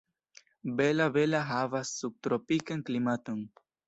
Bela-Bela havas subtropikan klimaton.